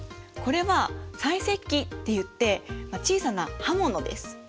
これは細石器っていってまあ小さな刃物です。